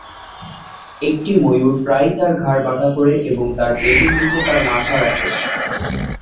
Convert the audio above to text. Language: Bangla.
একটি ময়ূর প্রায়ই তার ঘাড় বাঁকা করে এবং তার পেটের নিচে তার মাথা রাখে।